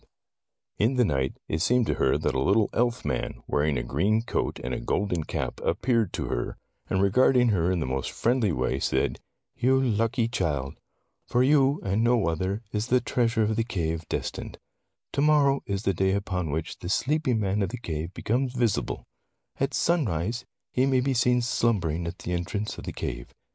Tales of Modern Germany 21 In the night, it seemed to her that a little elfman, wearing a green coat and a golden cap appeared to her, and regarding her in the most friendly way, said, ''You lucky child! For you, and no other, is the treasure of the cave destined. To morrow is the day upon which the sleeping man of the cave becomes visible. At sunrise he may be seen slumbering at the entrance of the cave.